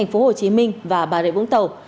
tp hcm và bà rệ vũng tàu